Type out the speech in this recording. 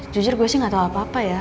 jujur gua sih gak tahu apa apa ya